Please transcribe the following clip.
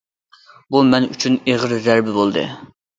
بۇ مەن ئۈچۈن ئېغىر زەربە بولدى.